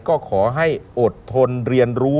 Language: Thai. ก็ขอให้อดทนเรียนรู้